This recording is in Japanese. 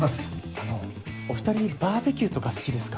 あのお２人バーベキューとか好きですか？